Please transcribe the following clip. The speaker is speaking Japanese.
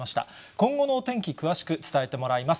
今後のお天気、詳しく伝えてもらいます。